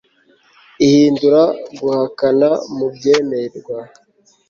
ihindura guhakana mubyemerwa